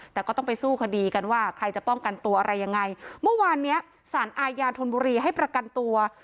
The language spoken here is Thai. แต่ก็ต้องไปสู้คดีกันว่าใครจะป้องกันตัวอะไรยังไงเมื่อวานเนี้ยสารอาญาธนบุรีให้ประกันตัว